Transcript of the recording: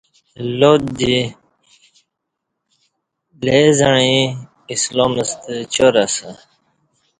لات جی لیزعیں اسلام ستہ چار اسہ